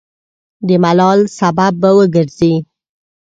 د ملال سبب به وګرځي.